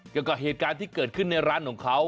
เกี่ยวกับเหตุการณ์ที่เกิดขึ้นในร้านของเขา